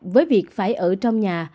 với việc phải ở trong nhà